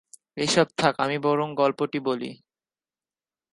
এইসব থাক, আমি বরং গল্পটি বলি।